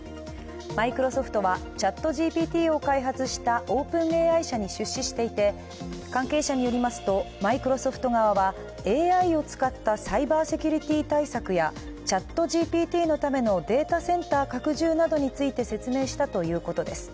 マイクロソフトはＣｈａｔＧＰＴを開発したＯｐｅｎＡＩ社に出資していて、関係者によりますとマイクロソフト側はＡＩを使ったサイバーセキュリティー対策やＣｈａｔＧＰＴのためのデータセンター拡充などについて説明したということです。